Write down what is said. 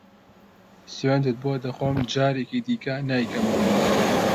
سوێندت بۆ دەخۆم جارێکی دیکە نایکەمەوە.